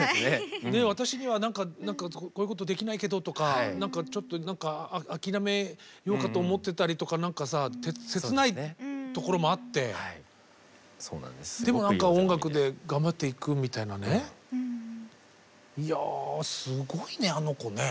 私にはこういうことできないけどとかちょっと何か諦めようかと思ってたりとか何かさ切ないところもあってでも何か音楽で頑張っていくみたいなねいやすごいねあの子ね。